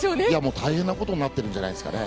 大変なことになってるんじゃないでしょうかね。